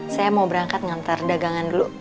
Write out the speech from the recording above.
saya mau berangkat ngantar dagangan dulu